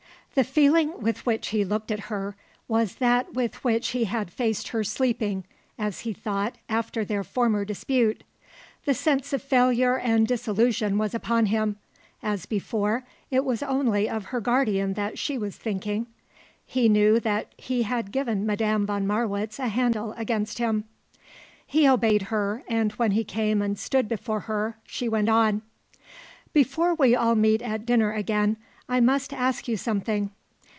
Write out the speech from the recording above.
The feeling with which he looked at her was that with which he had faced her sleeping, as he thought, after their former dispute. The sense of failure and disillusion was upon him. As before, it was only of her guardian that she was thinking. He knew that he had given Madame von Marwitz a handle against him. He obeyed her and when he came and stood before her she went on. "Before we all meet at dinner again, I must ask you something.